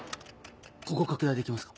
ここ拡大できますか？